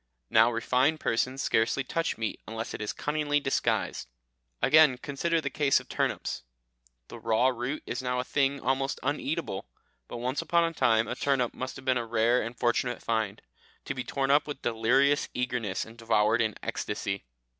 Now refined persons scarcely touch meat unless it is cunningly disguised. Again, consider the case of turnips; the raw root is now a thing almost uneatable, but once upon a time a turnip must have been a rare and fortunate find, to be torn up with delirious eagerness and devoured in ecstasy.